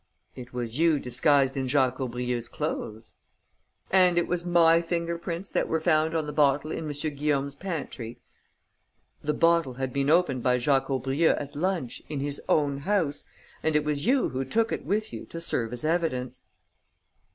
"It was you disguised in Jacques Aubrieux's clothes." "And it was my finger prints that were found on the bottle in M. Guillaume's pantry?" "The bottle had been opened by Jacques Aubrieux at lunch, in his own house, and it was you who took it with you to serve as evidence."